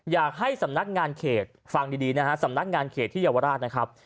อยากให้สำนักงานเขตฟังดีนะฮะสำนักงานเขตที่เยาวราชนะครับ